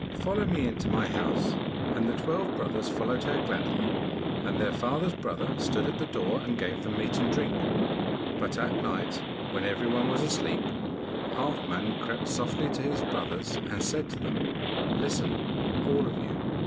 Follow me into my house.' And the twelve brothers followed her gladly, and their father's brother stood at the door, and gave them meat and drink. But at night, when every one was asleep, Halfman crept softly to his brothers, and said to them, 'Listen, all of you!